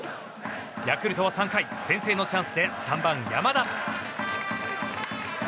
ヤクルトは３回先制のチャンスで３番、山田。